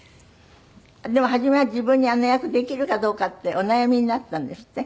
でも初めは自分にあの役できるかどうかってお悩みになったんですって？